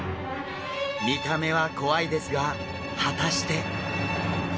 見た目は怖いですが果たして？